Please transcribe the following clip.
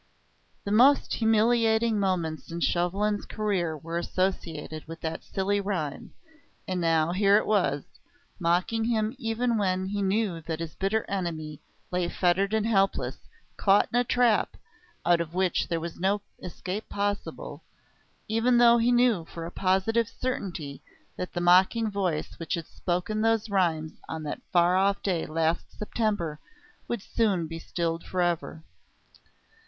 The most humiliating moments in Chauvelin's career were associated with that silly rhyme, and now here it was, mocking him even when he knew that his bitter enemy lay fettered and helpless, caught in a trap, out of which there was no escape possible; even though he knew for a positive certainty that the mocking voice which had spoken those rhymes on that far off day last September would soon be stilled for ever.